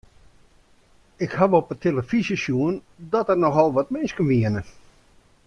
Ik haw op 'e telefyzje sjoen dat der nochal wat minsken wiene.